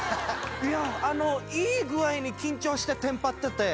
いい具合に緊張してテンパってて。